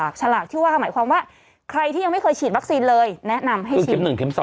ใครที่ยังไม่เคยฉีดวัคซีนเลยแนะนำให้ใช้